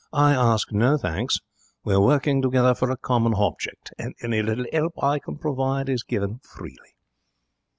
'I ask no thanks. We are working together for a common hobject, and any little 'elp I can provide is given freely.'